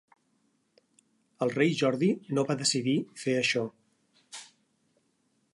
El rei Jordi no va decidir fer això.